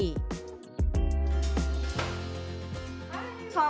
hai selamat siang